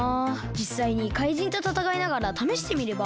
じっさいにかいじんとたたかいながらためしてみれば？